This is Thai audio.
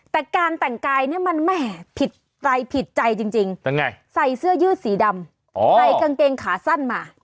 แต่การแต่งกายเนี่ยมันแหม่ผิดใจผิดใจจริงใส่เสื้อยืดสีดำใส่กางเกงขาสั้นมา